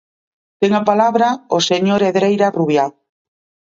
Ten a palabra o señor Hedreira Rubiá.